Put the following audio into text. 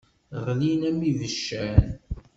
Ɣlin-am-id ibeccan.